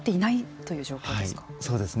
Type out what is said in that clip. はい、そうですね。